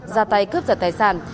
ra tay cướp giật tài sản